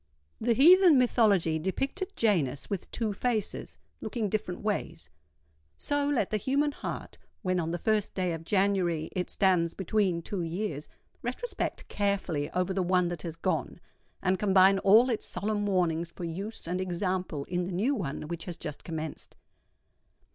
The heathen mythology depicted Janus with two faces, looking different ways:—so let the human heart, when on the first day of January, it stands between two years, retrospect carefully over the one that has gone, and combine all its solemn warnings for use and example in the new one which has just commenced.